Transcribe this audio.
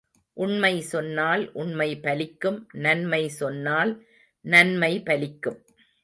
உண்மை சொன்னால் உண்மை பலிக்கும் நன்மை சொன்னால் நன்மை பலிக்கும்.